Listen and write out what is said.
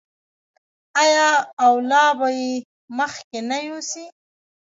آیا او لا به یې مخکې نه یوسي؟